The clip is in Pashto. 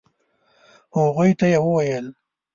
هغوی ته يې وويل.